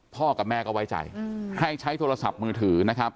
กับแม่ก็ไว้ใจให้ใช้โทรศัพท์มือถือนะครับ